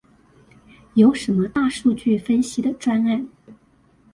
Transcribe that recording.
有什麼大數據分析的專案？